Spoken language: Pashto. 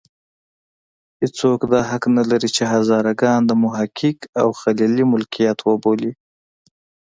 هېڅوک دا حق نه لري چې هزاره ګان د محقق او خلیلي ملکیت وبولي.